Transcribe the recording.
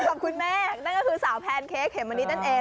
ขอบคุณมากนั่นก็คือสาวแพนเค้กเขมมะนิดนั่นเอง